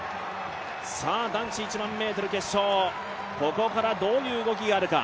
男子１００００ｍ決勝、ここからどういう動きがあるか。